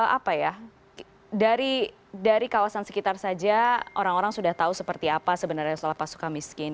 apa ya dari kawasan sekitar saja orang orang sudah tahu seperti apa sebenarnya sekolah pasukan miskin